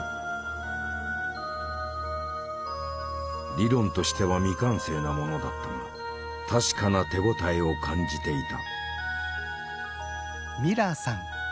理論としては未完成なものだったが確かな手応えを感じていた。